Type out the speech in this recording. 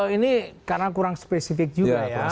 ini karena kurang spesifik juga ya